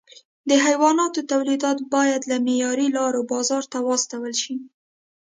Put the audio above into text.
د حیواناتو تولیدات باید له معیاري لارو بازار ته واستول شي.